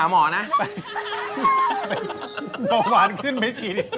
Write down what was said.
เอาไป